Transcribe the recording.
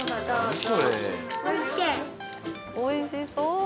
おいしそう！